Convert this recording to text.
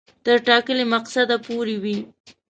تر ټاکلي مقصده پوري وي.